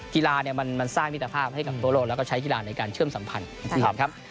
กีฬาเนี่ยมันสร้างวิทยาภาพให้กับตัวโลกแล้วก็ใช้กีฬาในการเชื่อมสัมพันธ์